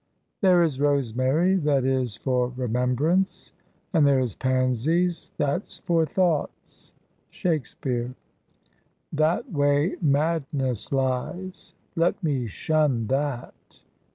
"There is rosemary, that is for remembrance.... And there is pansies that's for thoughts." SHAKESPEARE. "That way madness lies; let me shun that."